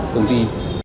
của công ty